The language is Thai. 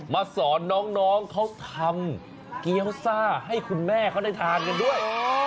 มาสอนน้องเขาทำเกี้ยวซ่าให้คุณแม่เขาได้ทานกันด้วย